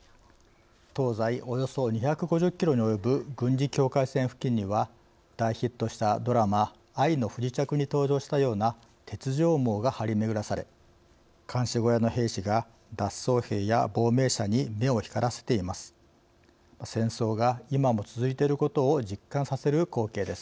東西およそ２５０キロに及ぶ軍事境界線付近には大ヒットしたドラマ「愛の不時着」に登場したような鉄条網が張り巡らされ監視小屋の兵士が脱走兵や亡命者に目を光らせています。